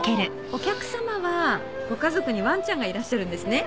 お客さまはご家族にわんちゃんがいらっしゃるんですね。